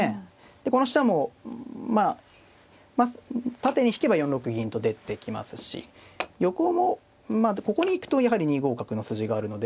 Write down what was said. でこの飛車もまあ縦に引けば４六銀と出てきますし横もまあここに行くとやはり２五角の筋があるので。